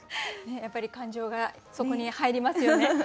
やっぱり感情がそこに入りますよね。